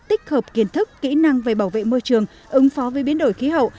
tích hợp kiến thức kỹ năng về bảo vệ môi trường ứng phó với biến đổi khí hậu